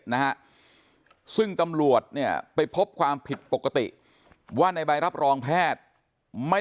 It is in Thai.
นะฮะซึ่งตำรวจเนี่ยไปพบความผิดปกติว่าในใบรับรองแพทย์ไม่